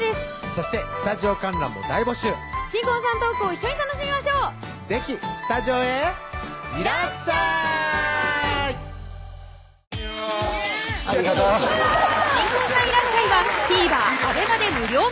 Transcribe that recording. そしてスタジオ観覧も大募集新婚さんのトークを一緒に楽しみましょう是非スタジオへいらっしゃい新婚さんいらっしゃい！はＴＶｅｒ